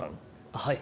はい。